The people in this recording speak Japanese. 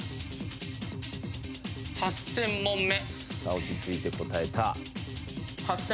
落ち着いて答えた。